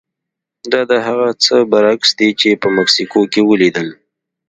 دا د هغه څه برعکس دي چې په مکسیکو کې ولیدل.